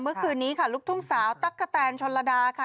เมื่อคืนนี้ค่ะลูกทุ่งสาวตั๊กกะแตนชนระดาค่ะ